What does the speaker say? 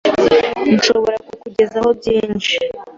Nshobora kukugezaho byinshi.